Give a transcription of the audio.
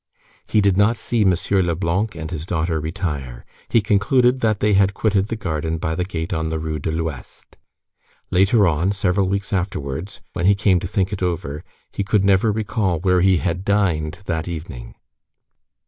He did not see M. Leblanc and his daughter retire. He concluded that they had quitted the garden by the gate on the Rue de l'Ouest. Later on, several weeks afterwards, when he came to think it over, he could never recall where he had dined that evening.